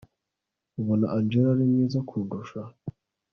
ubona angella ari mwiza kundusha